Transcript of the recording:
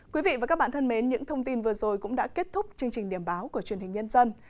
quý vị và các bạn thân mến những thông tin vừa rồi cũng đã kết thúc chương trình điểm báo của truyền hình nhân dân